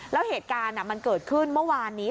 แล้วเหตุการณ์มันเกิดขึ้นเมื่อวานนี้